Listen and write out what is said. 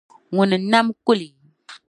Ŋuni n nam kuli?